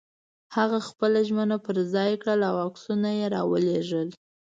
هغه خپله ژمنه پر ځای کړه او عکسونه یې را ولېږل.